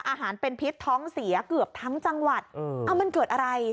อาหารเป็นพิษท้องเสียเกือบทั้งจังหวัดเอามันเกิดอะไร